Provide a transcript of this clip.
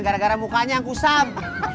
gara gara mukanya yang kusam